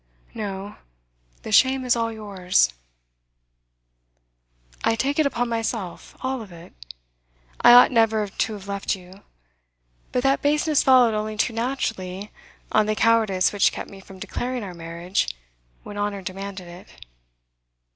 'No. The shame is all yours.' 'I take it upon myself, all of it; I ought never to have left you; but that baseness followed only too naturally on the cowardice which kept me from declaring our marriage when honour demanded it.